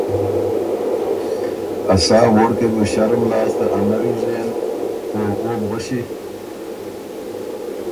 ا سا ووړکئ بُو ݭرُم لاسته ا نری ژېن او او بو غؤݭی۔